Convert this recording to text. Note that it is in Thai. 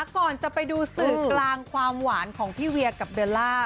ก่อนจะไปดูสื่อกลางความหวานของพี่เวียกับเบลล่า